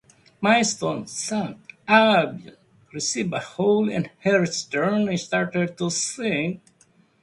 "Maystone" sank, "Albion" received a hole in her stern and started to sink.